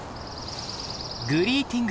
グリーティング